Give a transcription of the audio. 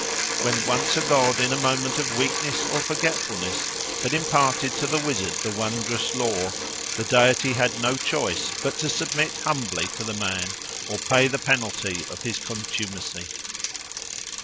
When once a god in a moment of weakness or forgetfulness had imparted to the wizard the wondrous lore, the deity had no choice but to submit humbly to the man or pay the penalty of his contumacy.